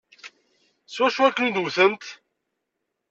S wacu i ken-id-wtent?